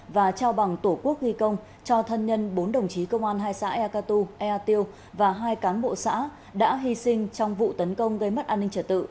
và trao bằng tổ quốc ghi công cho thân nhân bốn đồng chí công an hai xã eaku ea tiêu và hai cán bộ xã đã hy sinh trong vụ tấn công gây mất an ninh trật tự